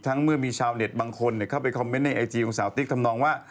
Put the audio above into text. เมื่อมีชาวเน็ตบางคนเข้าไปคอมเมนต์ในไอจีของสาวติ๊กทำนองว่า